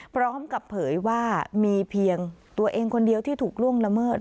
พร้อมกับเผยว่ามีเพียงตัวเองคนเดียวที่ถูกล่วงละเมิด